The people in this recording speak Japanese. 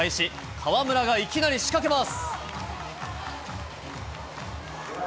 河村がいきなり仕掛けます。